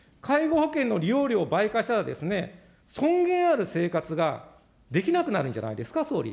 介護保険の利用料を倍加したら、尊厳ある生活ができなくなるんじ